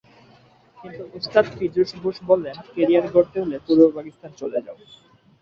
কিন্তু ওস্তাদ পীযূষ বোস বললেন, ক্যারিয়ার গড়তে হলে পূর্ব পাকিস্তানে চলে যাও।